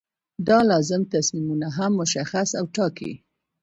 دا لازم تصمیمونه هم مشخص او ټاکي.